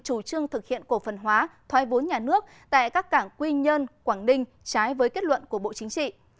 chủ trương thực hiện cổ phần hóa thoái vốn nhà nước tại các cảng quy nhơn quảng ninh trái với kết luận của bộ chính trị